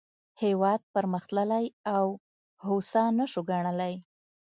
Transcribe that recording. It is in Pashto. هېواد پرمختللی او هوسا نه شو ګڼلای.